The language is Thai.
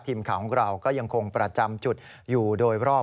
ทีมข่าวของเราก็ยังคงประจำจุดอยู่โดยรอบ